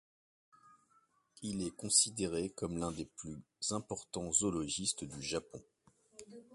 Il est considéré comme l’un des plus importants zoologistes du Japon.